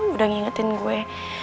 udah ngingetin gue